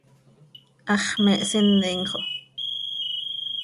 ¡Hax me hsinim xo!